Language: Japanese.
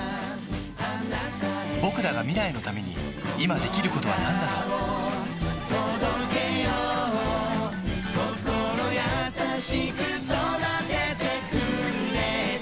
ぼくらが未来のために今できることはなんだろう心優しく育ててくれた